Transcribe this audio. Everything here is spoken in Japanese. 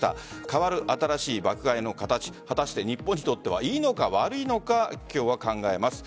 変わる新しい爆買いの形果たして日本にとってはいいのか悪いのか今日は考えます。